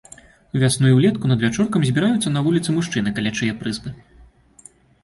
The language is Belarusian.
Увясну і ўлетку надвячоркам збіраюцца на вуліцы мужчыны каля чые прызбы.